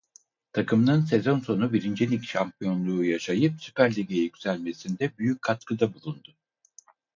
Takımının sezon sonu Birinci Lig şampiyonluğu yaşayıp Süper Lig'e yükselmesinde büyük katkıda bulundu.